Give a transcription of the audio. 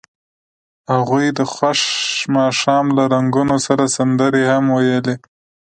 هغوی د خوښ ماښام له رنګونو سره سندرې هم ویلې.